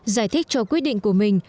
giải thích cho quyết định của mình